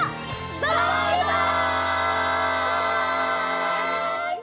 バイバイ！